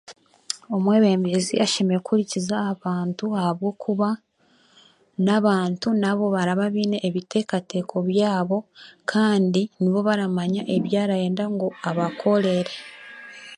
Omwebembezi ashemereire kuhurikiza abantu ahabwokuba nabantu nabo baraba biine ebiteekateeko byabo, kandi nibo baramanya ebi arenda ngu abakorere.